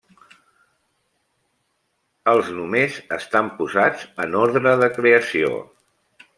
Els nomes estan posats en orde de creació.